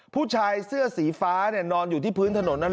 ผู้ชายเสื้อสีฟ้านอนอยู่ที่พื้นถนน